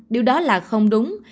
điều đó là không đúng